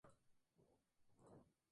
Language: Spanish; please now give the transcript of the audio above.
No quedan restos del antiguo castillo.